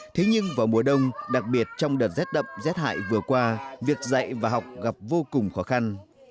thế nhưng vào mùa đông đặc biệt trong đợt rét đậm rét hại vừa qua việc dạy và học gặp vô cùng khó khăn